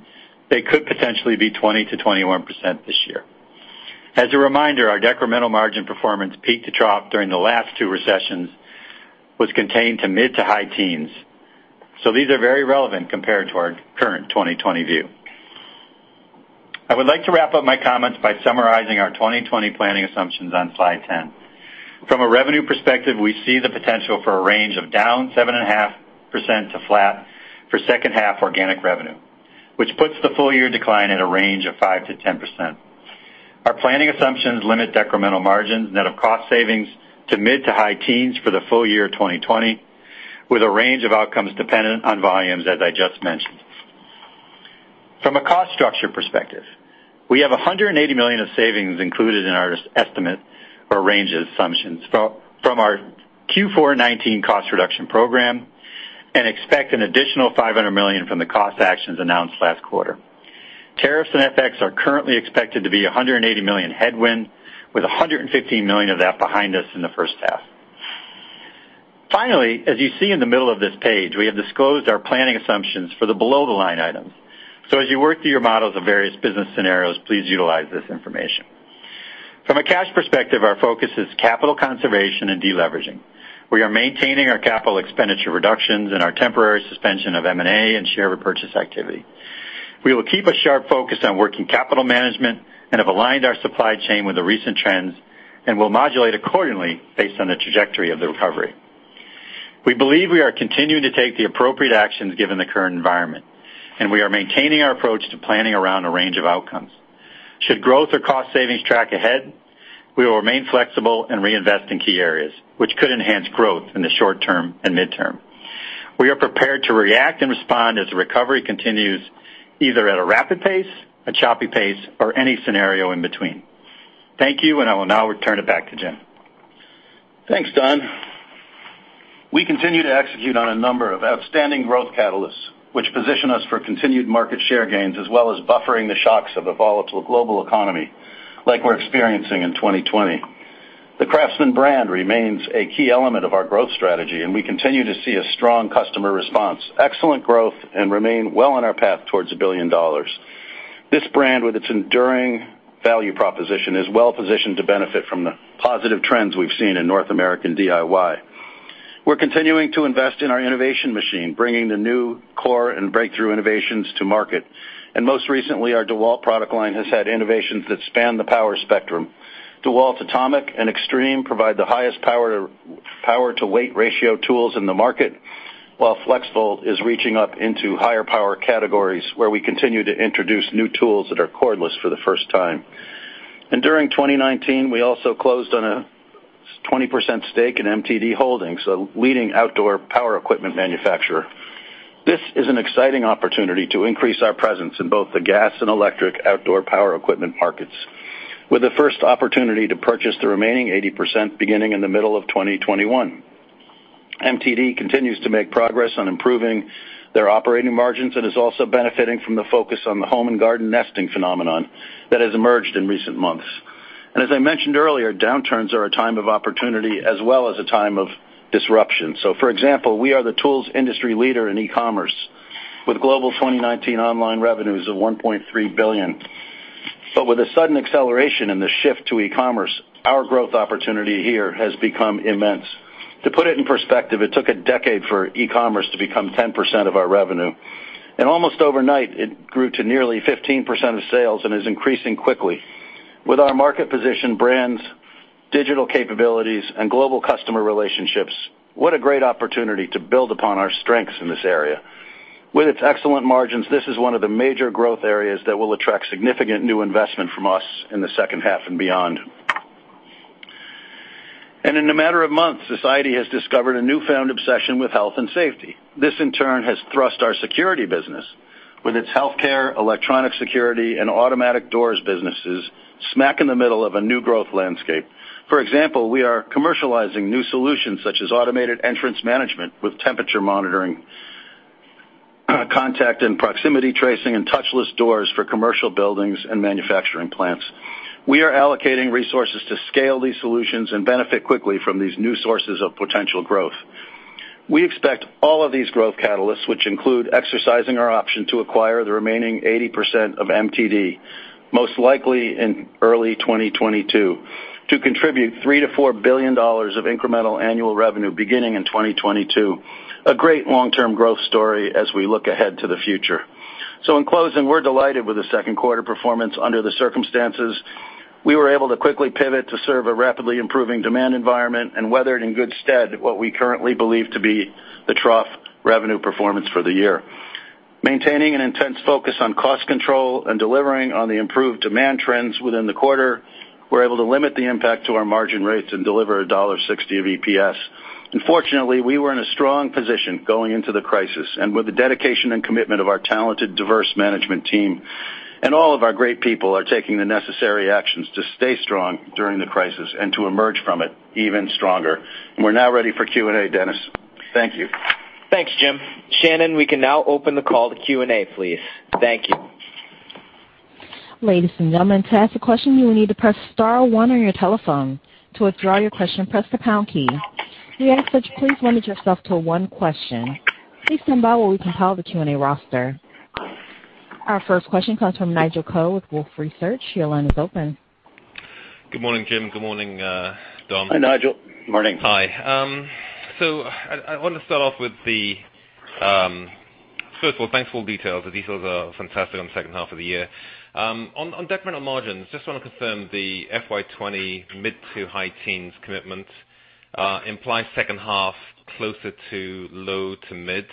S4: they could potentially be 20%-21% this year. As a reminder, our decremental margin performance peak to trough during the last two recessions was contained to mid to high teens. These are very relevant compared to our current 2020 view. I would like to wrap up my comments by summarizing our 2020 planning assumptions on slide 10. From a revenue perspective, we see the potential for a range of down 7.5% to flat for second-half organic revenue, which puts the full-year decline at a range of 5%-10%. Our planning assumptions limit decremental margins net of cost savings to mid to high teens for the full year 2020, with a range of outcomes dependent on volumes, as I just mentioned. From a cost structure perspective, we have $180 million of savings included in our estimate or range of assumptions from our Q4 2019 cost reduction program and expect an additional $500 million from the cost actions announced last quarter. Tariffs and FX are currently expected to be $180 million headwind, with $115 million of that behind us in the first half. Finally, as you see in the middle of this page, we have disclosed our planning assumptions for the below-the-line items. As you work through your models of various business scenarios, please utilize this information. From a cash perspective, our focus is capital conservation and de-leveraging. We are maintaining our capital expenditure reductions and our temporary suspension of M&A and share repurchase activity. We will keep a sharp focus on working capital management and have aligned our supply chain with the recent trends and will modulate accordingly based on the trajectory of the recovery. We believe we are continuing to take the appropriate actions given the current environment, and we are maintaining our approach to planning around a range of outcomes. Should growth or cost savings track ahead, we will remain flexible and reinvest in key areas, which could enhance growth in the short term and midterm. We are prepared to react and respond as the recovery continues, either at a rapid pace, a choppy pace, or any scenario in between. Thank you. I will now return it back to Jim.
S3: Thanks, Don We continue to execute on a number of outstanding growth catalysts, which position us for continued market share gains, as well as buffering the shocks of a volatile global economy like we're experiencing in 2020. The CRAFTSMAN brand remains a key element of our growth strategy, and we continue to see a strong customer response, excellent growth, and remain well on our path towards $1 billion. This brand, with its enduring value proposition, is well positioned to benefit from the positive trends we've seen in North American DIY. We're continuing to invest in our innovation machine, bringing the new core and breakthrough innovations to market. Most recently, our DEWALT product line has had innovations that span the power spectrum. DEWALT ATOMIC and XTREME provide the highest power-to-weight ratio tools in the market, while FLEXVOLT is reaching up into higher power categories, where we continue to introduce new tools that are cordless for the first time. During 2019, we also closed on a 20% stake in MTD Holdings, a leading outdoor power equipment manufacturer. This is an exciting opportunity to increase our presence in both the gas and electric outdoor power equipment markets. With the first opportunity to purchase the remaining 80% beginning in the middle of 2021. MTD continues to make progress on improving their operating margins and is also benefiting from the focus on the home and garden nesting phenomenon that has emerged in recent months. As I mentioned earlier, downturns are a time of opportunity as well as a time of disruption. For example, we are the tools industry leader in e-commerce with global 2019 online revenues of $1.3 billion. With the sudden acceleration in the shift to e-commerce, our growth opportunity here has become immense. To put it in perspective, it took a decade for e-commerce to become 10% of our revenue. Almost overnight, it grew to nearly 15% of sales and is increasing quickly. With our market position, brands, digital capabilities, and global customer relationships, what a great opportunity to build upon our strengths in this area. With its excellent margins, this is one of the major growth areas that will attract significant new investment from us in the second half and beyond. In a matter of months, society has discovered a newfound obsession with health and safety. This, in turn, has thrust our security business with its healthcare, electronic security, and automatic doors businesses smack in the middle of a new growth landscape. For example, we are commercializing new solutions such as automated entrance management with temperature monitoring, contact and proximity tracing, and touchless doors for commercial buildings and manufacturing plants. We are allocating resources to scale these solutions and benefit quickly from these new sources of potential growth. We expect all of these growth catalysts, which include exercising our option to acquire the remaining 80% of MTD, most likely in early 2022, to contribute $3 billion-$4 billion of incremental annual revenue beginning in 2022. A great long-term growth story as we look ahead to the future. In closing, we're delighted with the second quarter performance under the circumstances. We were able to quickly pivot to serve a rapidly improving demand environment and weathered in good stead what we currently believe to be the trough revenue performance for the year. Maintaining an intense focus on cost control and delivering on the improved demand trends within the quarter, we're able to limit the impact to our margin rates and deliver $1.60 of EPS. Fortunately, we were in a strong position going into the crisis and with the dedication and commitment of our talented, diverse management team, and all of our great people are taking the necessary actions to stay strong during the crisis and to emerge from it even stronger. We're now ready for Q&A, Dennis. Thank you.
S2: Thanks, Jim. Shannon, we can now open the call to Q&A, please. Thank you.
S1: Ladies and gentlemen, to ask a question, you will need to press star one on your telephone. To withdraw your question, press the # key. We ask that you please limit yourself to one question. Please stand by while we compile the Q&A roster. Our first question comes from Nigel Coe with Wolfe Research. Your line is open.
S5: Good morning, Jim. Good morning, Don.
S3: Hi, Nigel. Morning.
S5: Hi. I want to start off with first of all, thanks for all the details. The details are fantastic on the second half of the year. On decremental margins, just want to confirm the FY 2020 mid-to-high teens commitment implies second half closer to low-to-mid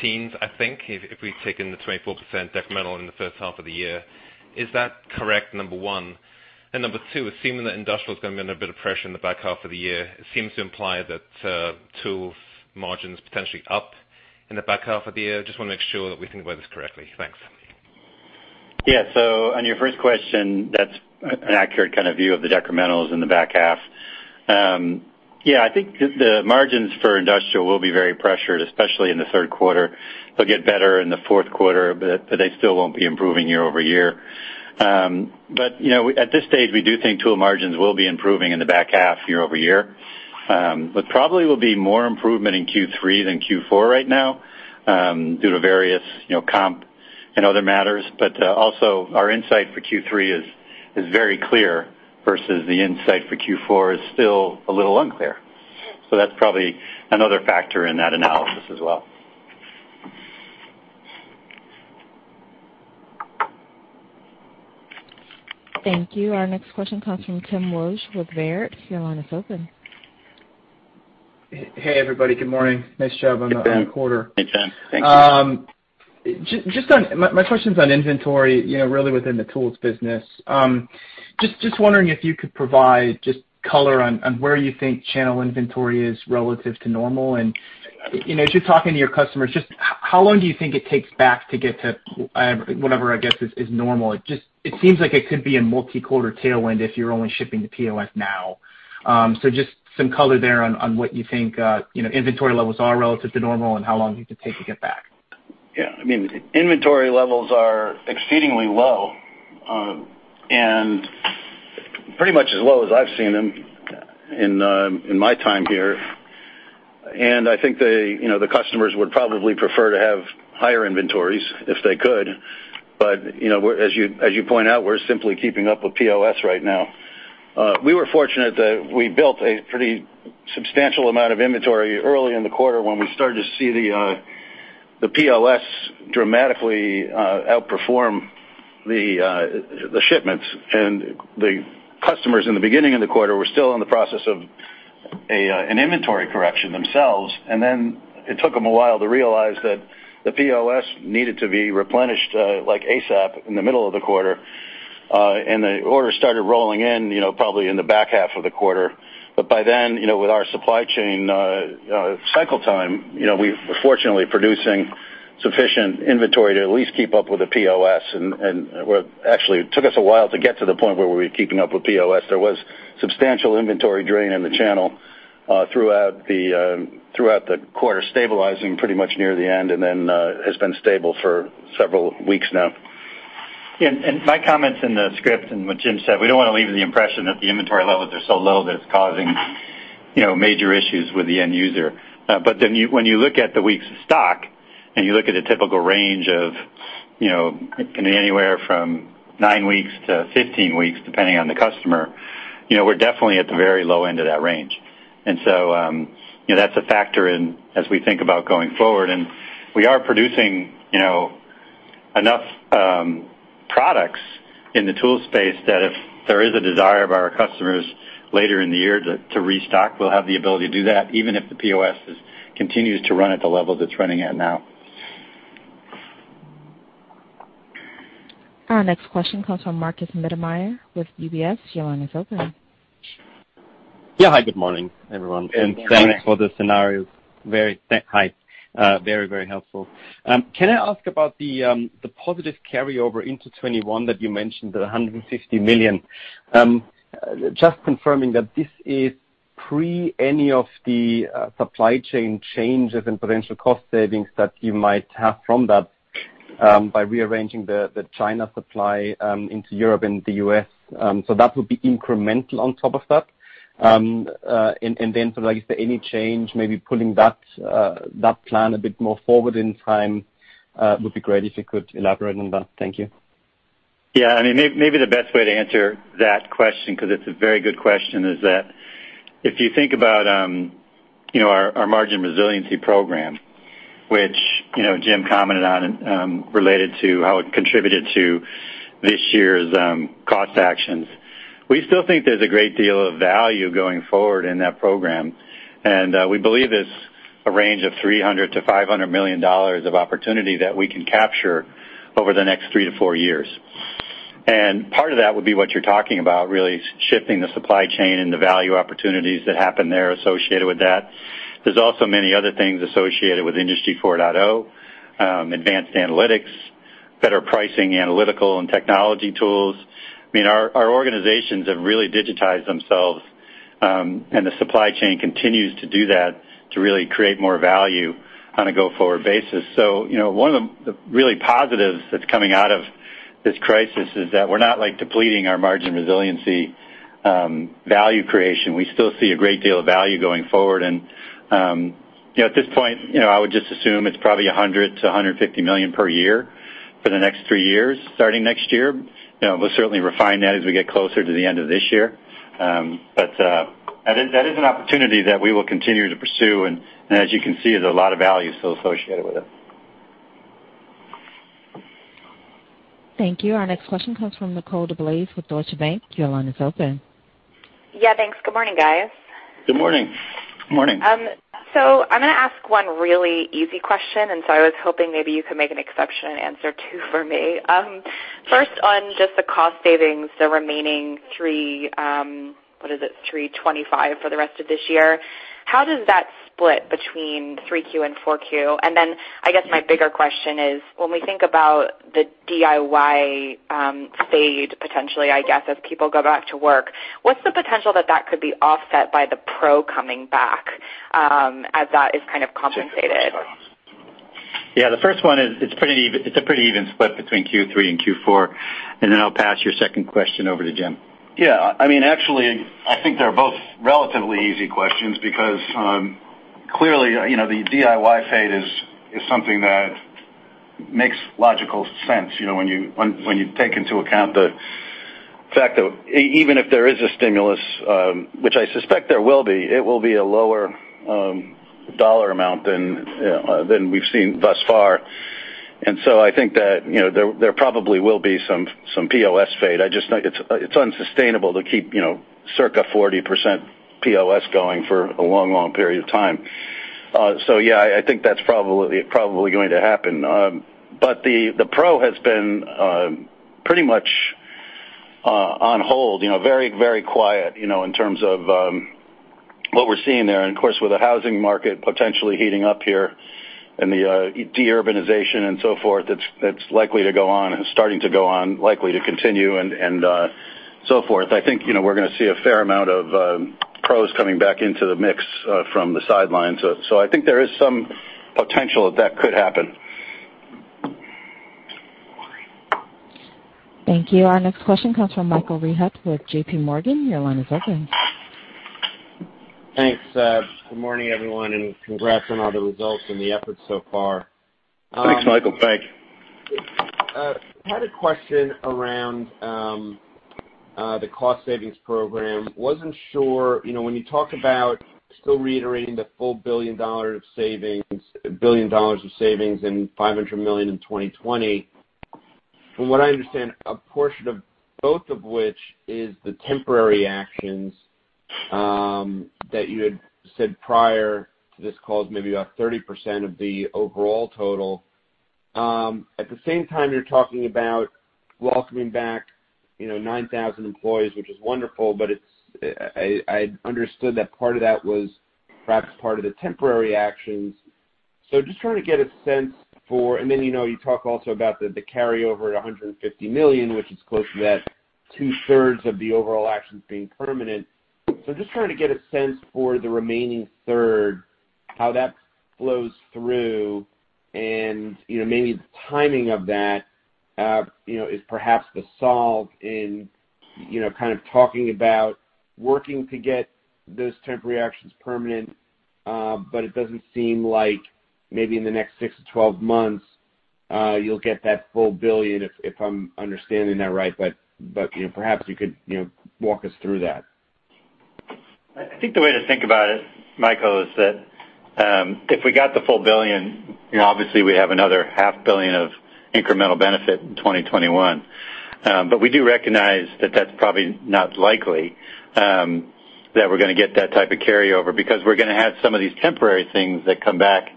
S5: teens, I think, if we've taken the 24% decremental in the first half of the year. Is that correct, number one? Number two, it seems that industrial is going to be in a bit of pressure in the back half of the year. It seems to imply that tools margins potentially up in the back half of the year. Just want to make sure that we think about this correctly. Thanks.
S3: On your first question, that's an accurate kind of view of the decrementals in the back half. I think the margins for industrial will be very pressured, especially in the third quarter. They'll get better in the fourth quarter, but they still won't be improving year-over-year. At this stage, we do think tool margins will be improving in the back half year-over-year. Probably will be more improvement in Q3 than Q4 right now due to various comp and other matters. Also our insight for Q3 is very clear versus the insight for Q4 is still a little unclear. That's probably another factor in that analysis as well.
S1: Thank you. Our next question comes from Tim Wojs with Baird. Your line is open.
S6: Hey, everybody. Good morning. Nice job on the quarter.
S3: Hey, Tim. Thanks.
S6: My question's on inventory, really within the tools business. Just wondering if you could provide just color on where you think channel inventory is relative to normal and as you're talking to your customers, just how long do you think it takes back to get to whatever, I guess, is normal? It seems like it could be a multi-quarter tailwind if you're only shipping to POS now. Just some color there on what you think inventory levels are relative to normal and how long do you think it'd take to get back?
S3: Yeah. Inventory levels are exceedingly low and pretty much as low as I've seen them in my time here. I think the customers would probably prefer to have higher inventories if they could. As you point out, we're simply keeping up with POS right now. We were fortunate that we built a pretty substantial amount of inventory early in the quarter when we started to see the POS dramatically outperform the shipments. The customers in the beginning of the quarter were still in the process of an inventory correction themselves. It took them a while to realize that the POS needed to be replenished ASAP in the middle of the quarter. The orders started rolling in probably in the back half of the quarter. By then, with our supply chain cycle time, we're fortunately producing sufficient inventory to at least keep up with the POS. Well, actually, it took us a while to get to the point where we were keeping up with POS. There was substantial inventory drain in the channel throughout the quarter, stabilizing pretty much near the end and then has been stable for several weeks now.
S4: Yeah. My comments in the script and what Jim said, we don't want to leave the impression that the inventory levels are so low that it's causing major issues with the end user. When you look at the weeks of stock and you look at a typical range of anywhere from nine weeks to 15 weeks, depending on the customer, we're definitely at the very low end of that range. That's a factor in as we think about going forward. We are producing enough products in the tool space that if there is a desire by our customers later in the year to restock, we'll have the ability to do that, even if the POS continues to run at the level it's running at now.
S1: Our next question comes from Markus Mittermaier with UBS. Your line is open.
S7: Yeah. Hi, good morning, everyone.
S4: Good morning.
S7: Thanks for the scenarios. Very tight. Very helpful. Can I ask about the positive carryover into 2021 that you mentioned, the $150 million. Just confirming that this is pre any of the supply chain changes and potential cost savings that you might have from that by rearranging the China supply into Europe and the U.S. That would be incremental on top of that. Is there any change, maybe pulling that plan a bit more forward in time? Would be great if you could elaborate on that. Thank you.
S4: Maybe the best way to answer that question, because it's a very good question, is that if you think about our Margin Resiliency Program, which Jim commented on related to how it contributed to this year's cost actions, we still think there's a great deal of value going forward in that program. We believe it's a range of $300 million-$500 million of opportunity that we can capture over the next 3-4 years. Part of that would be what you're talking about, really shifting the supply chain and the value opportunities that happen there associated with that. There's also many other things associated with Industry 4.0, advanced analytics, better pricing analytical and technology tools. Our organizations have really digitized themselves, and the supply chain continues to do that to really create more value on a go-forward basis. One of the really positives that's coming out of this crisis is that we're not depleting our margin resiliency value creation. We still see a great deal of value going forward. At this point, I would just assume it's probably $100 million to $150 million per year for the next three years, starting next year. We'll certainly refine that as we get closer to the end of this year. That is an opportunity that we will continue to pursue. As you can see, there's a lot of value still associated with it.
S1: Thank you. Our next question comes from Nicole DeBlase with Deutsche Bank. Your line is open.
S8: Yeah, thanks. Good morning, guys.
S4: Good morning.
S3: Good morning.
S8: I'm going to ask one really easy question, and so I was hoping maybe you could make an exception and answer two for me. First, on just the cost savings, the remaining three, what is it, $325 for the rest of this year? How does that split between 3Q and 4Q? I guess my bigger question is when we think about the DIY fade potentially, I guess, as people go back to work, what's the potential that that could be offset by the pro coming back as that is kind of compensated?
S4: Yeah, the first one is it's a pretty even split between Q3 and Q4, and then I'll pass your second question over to Jim.
S3: Actually, I think they're both relatively easy questions because clearly, the DIY fade is something that makes logical sense when you take into account the fact that even if there is a stimulus, which I suspect there will be, it will be a lower dollar amount than we've seen thus far. I think that there probably will be some POS fade. It's unsustainable to keep circa 40% POS going for a long period of time. Yeah, I think that's probably going to happen. The pro has been pretty much on hold, very quiet in terms of what we're seeing there. Of course, with the housing market potentially heating up here and the de-urbanization and so forth that's likely to go on and starting to go on, likely to continue and so forth. I think we're going to see a fair amount of pros coming back into the mix from the sidelines. I think there is some potential that that could happen.
S1: Thank you. Our next question comes from Michael Rehaut with JPMorgan. Your line is open.
S9: Thanks. Good morning, everyone, and congrats on all the results and the efforts so far.
S3: Thanks, Michael. Thank you.
S9: I had a question around the cost savings program. I wasn't sure, when you talk about still reiterating the full $1 billion of savings and $500 million in 2020. From what I understand, a portion of both of which is the temporary actions that you had said prior to this call is maybe about 30% of the overall total. At the same time, you're talking about welcoming back 9,000 employees, which is wonderful, but I understood that part of that was perhaps part of the temporary actions. Just trying to get a sense for, you also talk about the carryover at $150 million, which is close to that two-thirds of the overall actions being permanent. Just trying to get a sense for the remaining third, how that flows through and, maybe the timing of that, is perhaps the solve in, kind of talking about working to get those temporary actions permanent. It doesn't seem like maybe in the next six to 12 months, you'll get that full $1 billion, if I'm understanding that right. Perhaps you could walk us through that.
S4: I think the way to think about it, Michael, is that if we got the full $1 billion, obviously, we have another half billion of incremental benefit in 2021. We do recognize that that's probably not likely, that we're going to get that type of carryover because we're going to have some of these temporary things that come back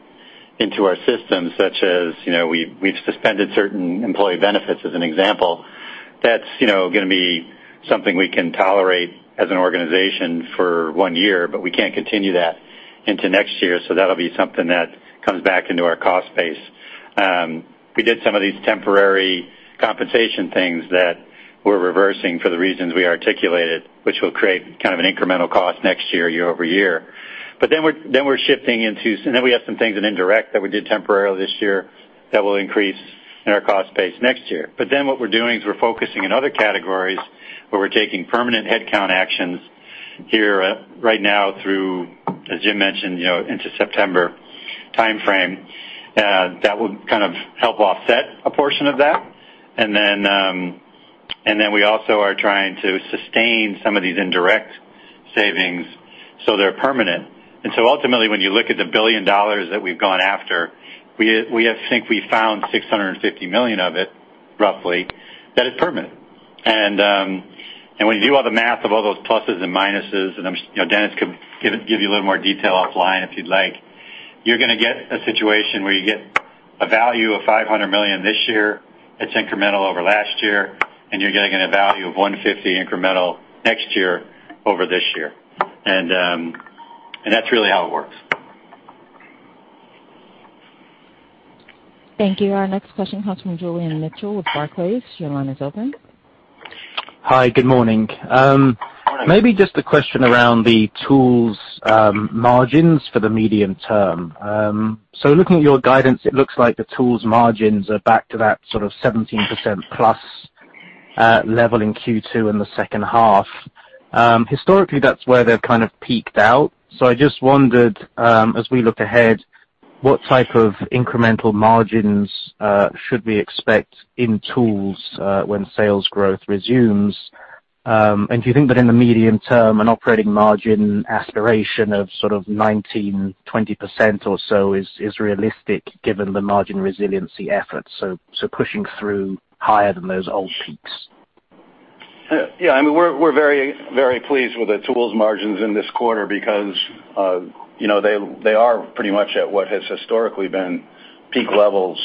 S4: into our systems, such as we've suspended certain employee benefits as an example. That's going to be something we can tolerate as an organization for one year, but we can't continue that into next year, so that'll be something that comes back into our cost base. We did some of these temporary compensation things that we're reversing for the reasons we articulated, which will create kind of an incremental cost next year-over-year. We have some things in indirect that we did temporarily this year that will increase in our cost base next year. What we're doing is we're focusing in other categories where we're taking permanent headcount actions here right now through, as Jim mentioned, into September timeframe. That would kind of help offset a portion of that. We also are trying to sustain some of these indirect savings so they're permanent. Ultimately, when you look at the $1 billion that we've gone after, we think we found $650 million of it, roughly, that is permanent. When you do all the math of all those pluses and minuses, Dennis could give you a little more detail offline if you'd like, you're going to get a situation where you get a value of $500 million this year, that's incremental over last year, and you're getting a value of $150 million incremental next year over this year. That's really how it works.
S1: Thank you. Our next question comes from Julian Mitchell with Barclays. Your line is open.
S10: Hi. Good morning.
S3: Good morning.
S10: Maybe just a question around the tools margins for the medium term. Looking at your guidance, it looks like the tools margins are back to that sort of 17% plus level in Q2 in the second half. Historically, that's where they've kind of peaked out. I just wondered, as we look ahead, what type of incremental margins should we expect in tools when sales growth resumes? Do you think that in the medium term, an operating margin aspiration of sort of 19%-20% or so is realistic given the margin resiliency efforts, so pushing through higher than those old peaks?
S3: Yeah. We're very pleased with the tools margins in this quarter because they are pretty much at what has historically been peak levels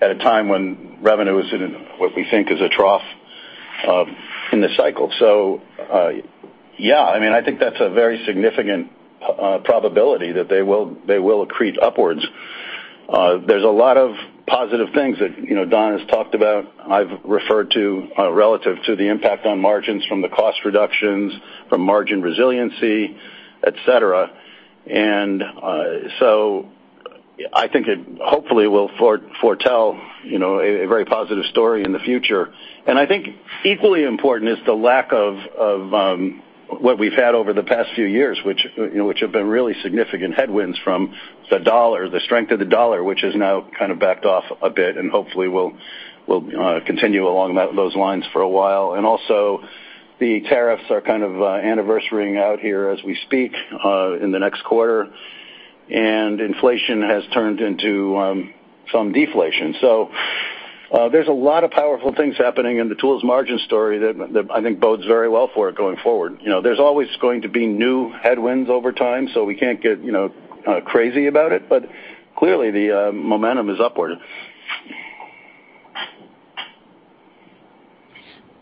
S3: at a time when revenue is in what we think is a trough in the cycle. Yeah, I think that's a very significant probability that they will accrete upwards. There's a lot of positive things that Don has talked about, I've referred to, relative to the impact on margins from the cost reductions, from margin resiliency, et cetera. I think it hopefully will foretell a very positive story in the future. I think equally important is the lack of what we've had over the past few years, which have been really significant headwinds from the dollar, the strength of the dollar, which has now kind of backed off a bit and hopefully will continue along those lines for a while. Also, the tariffs are kind of anniversarying out here as we speak, in the next quarter, and inflation has turned into some deflation. There's a lot of powerful things happening in the tools margin story that I think bodes very well for it going forward. There's always going to be new headwinds over time, so we can't get crazy about it, but clearly the momentum is upward.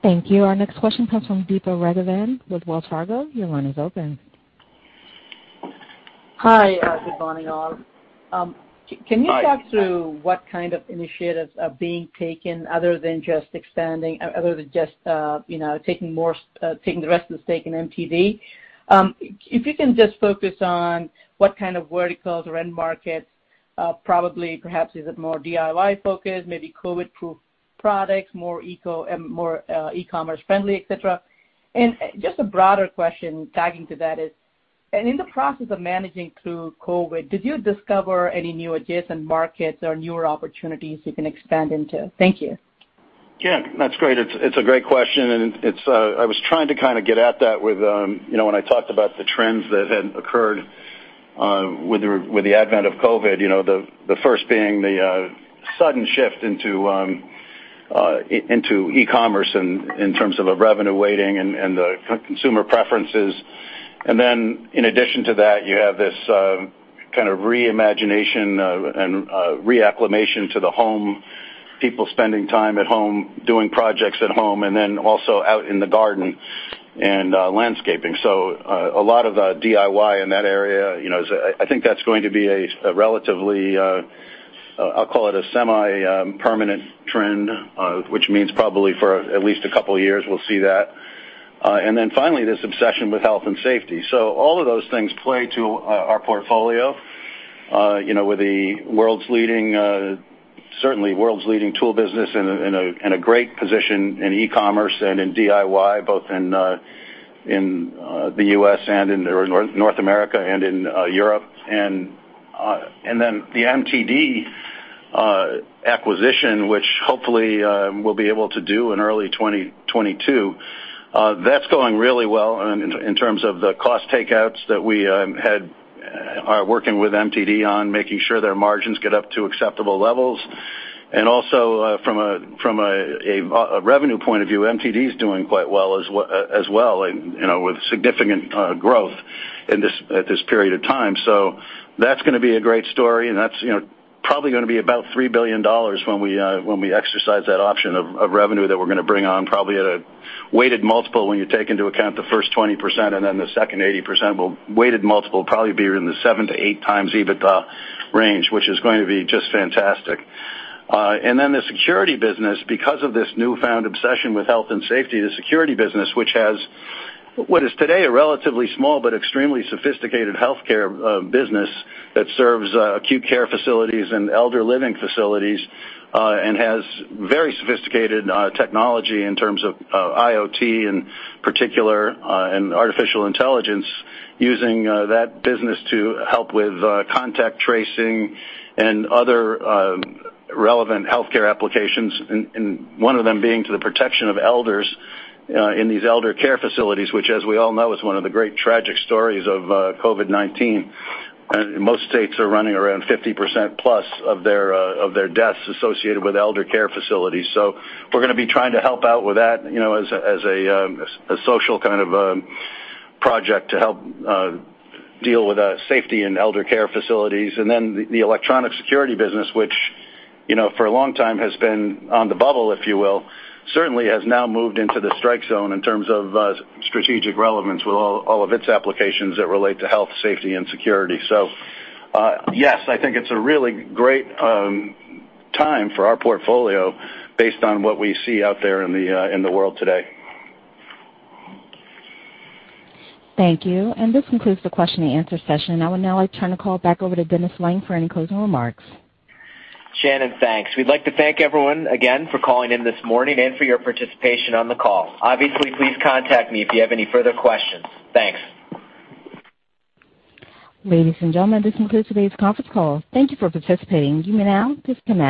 S1: Thank you. Our next question comes from Deepa Raghavan with Wells Fargo. Your line is open.
S11: Hi. Good morning, all.
S3: Hi.
S11: Can you talk through what kind of initiatives are being taken other than just taking the rest of the stake in MTD? If you can just focus on what kind of verticals or end markets, probably perhaps is it more DIY-focused, maybe COVID-proof products, more e-commerce friendly, et cetera? Just a broader question tagging to that is, in the process of managing through COVID, did you discover any new adjacent markets or newer opportunities you can expand into? Thank you.
S3: Yeah. That's great. It's a great question. I was trying to kind of get at that when I talked about the trends that had occurred with the advent of COVID-19, the first being the sudden shift into e-commerce in terms of the revenue weighting and the consumer preferences. In addition to that, you have this kind of re-imagination and re-acclimation to the home, people spending time at home, doing projects at home, and then also out in the garden and landscaping. A lot of DIY in that area. I think that's going to be a relatively, I'll call it a semi-permanent trend, which means probably for at least a couple of years we'll see that. Finally, this obsession with health and safety. All of those things play to our portfolio, with certainly world's leading tool business and a great position in e-commerce and in DIY, both in North America and in Europe. The MTD acquisition, which hopefully we'll be able to do in early 2022, that's going really well in terms of the cost takeouts that we are working with MTD on, making sure their margins get up to acceptable levels. From a revenue point of view, MTD's doing quite well as well, with significant growth at this period of time. That's gonna be a great story, and that's probably gonna be about $3 billion when we exercise that option of revenue that we're gonna bring on, probably at a weighted multiple when you take into account the first 20% and then the second 80% weighted multiple, probably be in the seven to 8x EBITDA range, which is going to be just fantastic. Then the security business, because of this newfound obsession with health and safety, the security business, which has what is today a relatively small but extremely sophisticated healthcare business that serves acute care facilities and elder living facilities, and has very sophisticated technology in terms of IoT, in particular, and artificial intelligence, using that business to help with contact tracing and other relevant healthcare applications. One of them being to the protection of elders in these elder care facilities, which as we all know, is one of the great tragic stories of COVID-19. Most states are running around 50%+ of their deaths associated with elder care facilities. We're gonna be trying to help out with that as a social kind of project to help deal with safety in elder care facilities. Then the electronic security business, which for a long time has been on the bubble, if you will, certainly has now moved into the strike zone in terms of strategic relevance with all of its applications that relate to health, safety, and security. Yes, I think it's a really great time for our portfolio based on what we see out there in the world today.
S1: Thank you. This concludes the Q&A session. I will now like to turn the call back over to Dennis Lange for any closing remarks.
S2: Shannon, thanks. We'd like to thank everyone again for calling in this morning and for your participation on the call. Obviously, please contact me if you have any further questions. Thanks.
S1: Ladies and gentlemen, this concludes today's conference call. Thank you for participating. You may now disconnect.